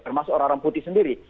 termasuk orang orang putih sendiri